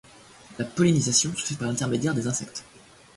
La pollinisation se fait par l'intermédiaire des insectes.